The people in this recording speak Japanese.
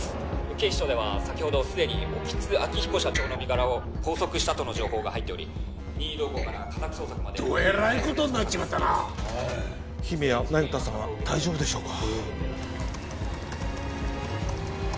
警視庁では先ほどすでに興津晃彦社長の身柄を拘束したとの情報が入っており任意同行から家宅捜索までどえらいことになっちまったな姫や那由他さんは大丈夫でしょうか？